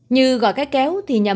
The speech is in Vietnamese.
như gọi cái kéo thì nhầm